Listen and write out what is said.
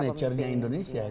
dan itu naturenya indonesia